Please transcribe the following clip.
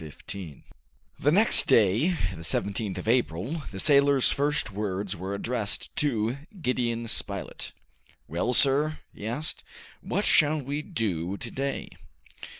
Chapter 15 The next day, the 17th of April, the sailor's first words were addressed to Gideon Spilett. "Well, sir," he asked, "what shall we do to day?"